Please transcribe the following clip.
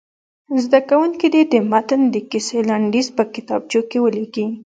زده کوونکي دې د متن د کیسې لنډیز په کتابچو کې ولیکي.